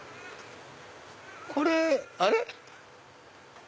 これあれ？